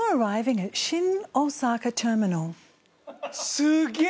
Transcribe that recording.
すげえ！